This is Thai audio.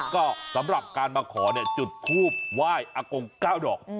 ก็สำหรับการมาขอจุดทูบไหว้อากง๙ดอก